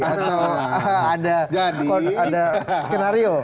atau ada skenario